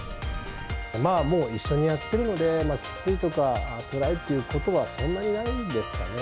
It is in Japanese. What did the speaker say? まあもう、一緒にやってるので、きついとか、つらいっていうことはそんなにないですかね。